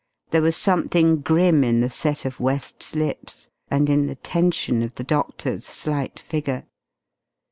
There was something grim in the set of West's lips, and in the tension of the doctor's slight figure.